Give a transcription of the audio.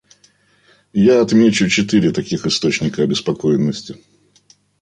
Я отмечу четыре таких источника обеспокоенности.